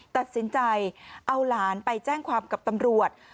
ตัดสินใจเอาหลานไปแจ้งความกับตำรวจ